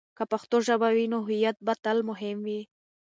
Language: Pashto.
که پښتو ژبه وي، نو هویت به تل مهم وي.